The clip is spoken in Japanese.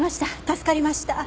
助かりました。